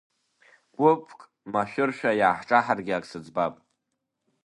Гәыԥк машәыршәа иааҳҿаҳаргьы ак сыӡбап!